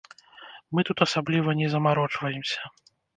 Мы тут асабліва не замарочваемся.